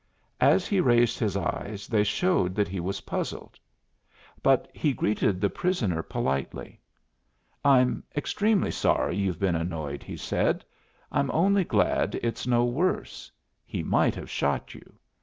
As he raised his eyes they showed that he was puzzled. But he greeted the prisoner politely. "I'm extremely sorry you've been annoyed," he said. "I'm only glad it's no worse. He might have shot you.